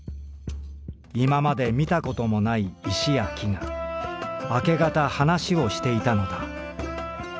今までみたこともない石や木が明け方話をしていたのだ」。